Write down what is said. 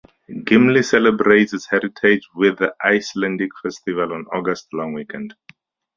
Gimli celebrates its heritage with the Icelandic Festival on August long weekend.